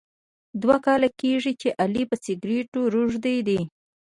دوه کاله کېږي چې علي په سګرېټو روږدی دی.